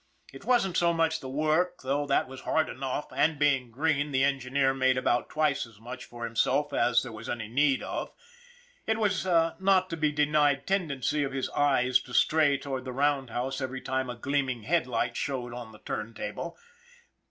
It wasn't so much the work, though that was hard enough, and, being green, the engineer made about twice as much for himself as there was any need of, it was a not to be denied ten dency of his eyes to stray toward the roundhouse every time a gleaming headlight showed on the turn table.